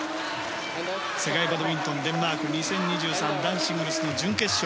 世界バドミントンデンマーク２０２３男子シングルスの準決勝